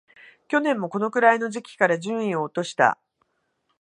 去年もこのくらいの時期から順位を落とした